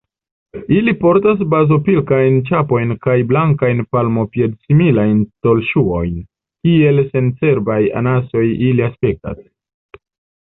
Ili portas bazopilkajn ĉapojn kaj blankajn palmopied-similajn tolŝuojn: kiel sencerbaj anasoj ili aspektas.